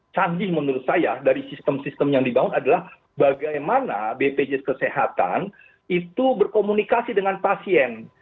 canggih menurut saya dari sistem sistem yang dibangun adalah bagaimana bpjs kesehatan itu berkomunikasi dengan pasien